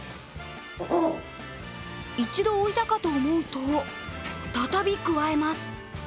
一度、置いたかと思うと再びくわえます。